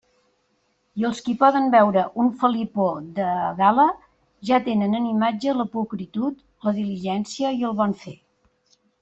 I els qui poden veure un felipó de gala, ja tenen en imatge la pulcritud, la diligència i el bon fer.